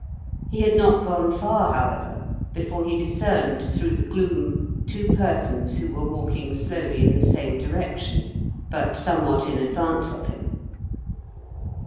He had not gone far, however, before he discerned through the gloom two persons who were walking slowly in the same direction, but somewhat in advance of him.